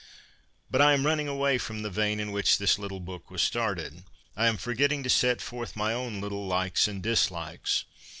But I am running away from the vein in which this little book was started. I am forgetting to set forth 70 CONFESSIONS OF A BOOK LOVER my own little likes and dislikes.